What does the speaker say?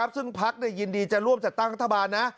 ซึ่งพักยินดีจะร่วมจัดตั้งรัฐบาลนะ